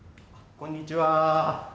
こんにちは。